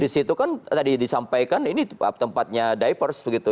di situ kan tadi disampaikan ini tempatnya diverse begitu